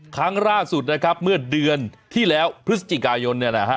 ครั้งล่าสุดนะครับเมื่อเดือนที่แล้วพฤศจิกายนเนี่ยนะฮะ